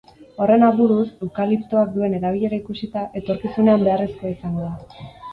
Horren aburuz, eukaliptoak duen erabilera ikusita, etorkizunean beharrezkoa izango da.